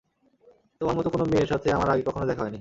তোমার মত কোন মেয়ের সাথে আমার আগে কখনো দেখা হয়নি।